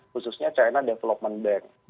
khususnya china development bank